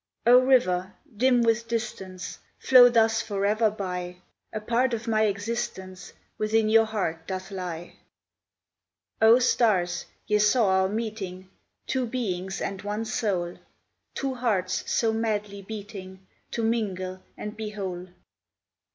O, river, dim with distance, Flow thus forever by: A part of my existence Within your heart doth lie! O, stars, ye saw our meeting, Two beings and one soul, Two hearts so madly beating To mingle and be whole!